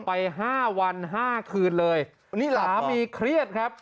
ไปห้าวันห้าคืนเลยวันนี้หมาดีขระเครียดครับ